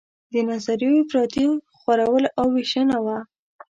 د نظریو افراطي خورول او ویشنه وه.